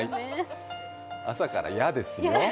朝から嫌ですよ。